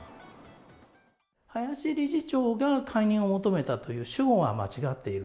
林理事長が解任を求めたという、主語が間違っている。